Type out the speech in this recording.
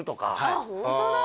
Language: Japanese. あっホントだ！